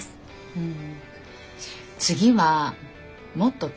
うん。